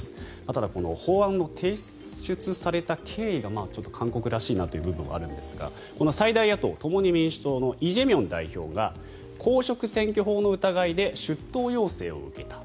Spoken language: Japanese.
ただ、法案が提出された経緯がちょっと韓国らしいなという部分はあるんですが最大野党・共に民主党のイ・ジェミョン代表が公職選挙法違反の疑いで出頭要請を受けた。